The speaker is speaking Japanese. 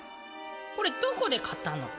これどこで買ったの？